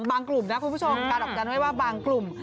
บางกลุ่มนะครับคุณผู้ชมการออกจันว่าบางกลุ่ม